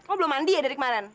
kok belum mandi ya dari kemarin